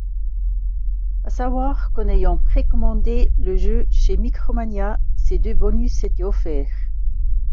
À savoir qu'en ayant pré-commandé le jeu chez Micromania, ces deux bonus étaient offerts.